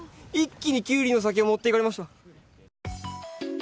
一気にキュウリの先を持っていかれました。